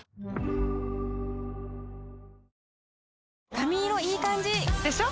髪色いい感じ！でしょ？